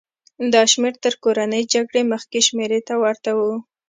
دا شمېر تر کورنۍ جګړې مخکې شمېرې ته ورته و.